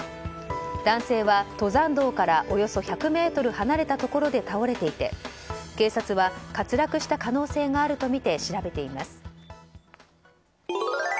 男性は登山道からおよそ１００ｍ離れたところで倒れていて、警察は滑落した可能性があるとみて調べています。